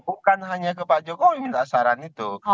bukan hanya ke pak jokowi minta saran itu